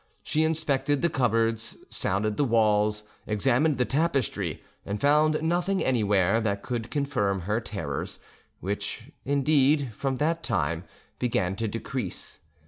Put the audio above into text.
She inspected the cupboards, sounded the walls, examined the tapestry, and found nothing anywhere that could confirm her terrors, which, indeed, from that time began to decrease.